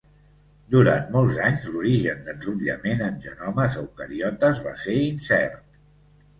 Durant molts anys, l'origen d'enrotllament en genomes eucariotes va ser incert.